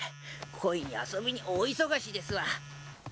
恋に遊びに大忙しですわ。